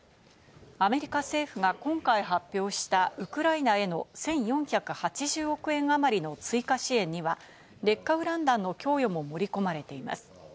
アメリカ政府が今回発表したウクライナへの１４８０億円あまりの追加支援には劣化ウラン弾の供与も盛り込まれています。